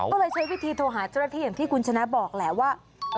ก็เลยใช้วิธีโทรหาเจ้าหน้าที่อย่างที่คุณชนะบอกแหละว่า